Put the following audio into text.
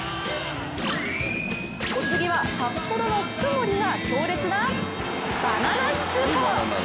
お次は札幌の福森が強烈なバナナシュート。